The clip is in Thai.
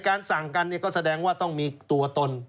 สั่งกันก็แสดงว่าต้องมีตัวตน